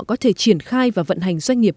có thể triển khai và vận hành doanh nghiệp